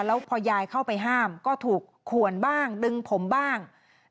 แล้วพอยายเข้าไปห้ามก็ถูกขวนบ้างดึงผมบ้าง